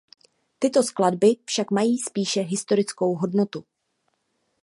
Tyto skladby však mají spíše historickou hodnotu.